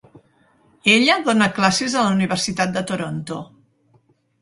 Ella dona classes a la Universitat de Toronto.